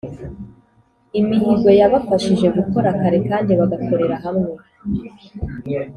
Imihigo yabafashije gukora kare kandi bagakorera hamwe